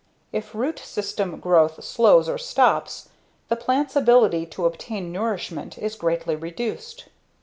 If root system growth slows or stops, the plant's ability to obtain nourishment is greatly reduced.